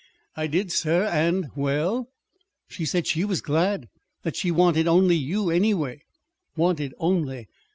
"I did, sir, and " "Well?" "She said she was glad; that she wanted only you, anyway." "_Wanted only